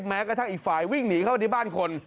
แม้กระทั่งอีกฝ่ายวิ่งหนีเข้าที่บ้านคน